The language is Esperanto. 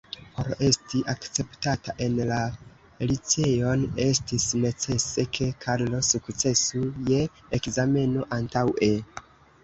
Por esti akceptata en la liceon, estis necese ke Karlo sukcesu je ekzameno antaŭe.